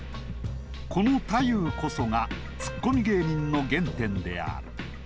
この太夫こそがツッコミ芸人の原点である。